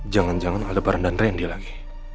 jangan jangan ada baran dan rendah lagi